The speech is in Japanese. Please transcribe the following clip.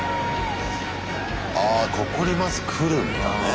あここにバス来るんだね。